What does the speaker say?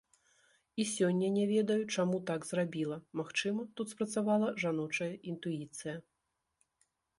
І сёння не ведаю, чаму так зрабіла, магчыма, тут спрацавала жаночая інтуіцыя.